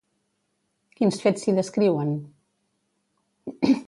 Quins fets s'hi descriuen?